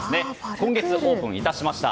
今月オープンいたしました。